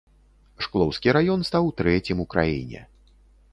Шклоўскі раён стаў трэцім у краіне.